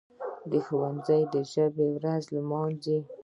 ښوونځي دي د ژبي ورځ ولمانځي.